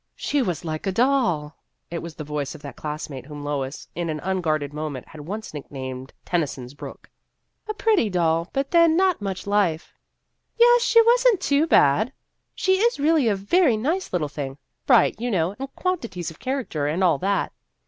" She was like a doll." It was the voice of that classmate whom Lois, in an un guarded moment, had once nicknamed "Tennyson's Brook." The History of an Ambition 59 " A pretty doll, but then not much life." "Yes, was n't it too bad ! She is really a very nice little thing bright, you know, and quantities of character, and all that."